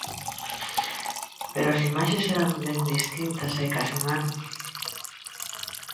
Pero as imaxes eran ben distintas hai case un ano.